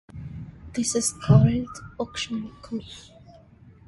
This is called auction komi.